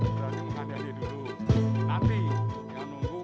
berarti mengadil di dulu nanti yang nunggu b dua puluh satu